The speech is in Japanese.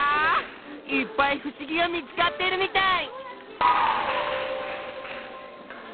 いっぱいふしぎが見つかってるみたい！